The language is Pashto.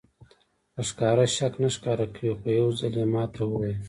په ښکاره شک نه ښکاره کوي خو یو ځل یې ماته وویل.